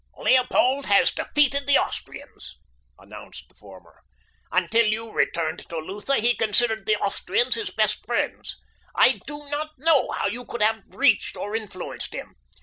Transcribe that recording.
"Leopold has defeated the Austrians," announced the former. "Until you returned to Lutha he considered the Austrians his best friends. I do not know how you could have reached or influenced him.